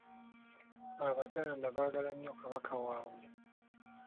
Abaganda baagala nnyo Kabaka waabwe.